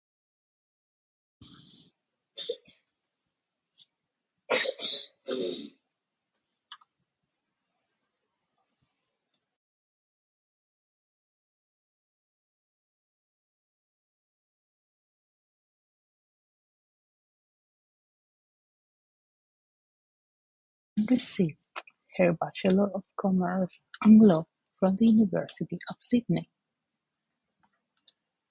Zhang received her bachelor of commerce and law from The University of Sydney.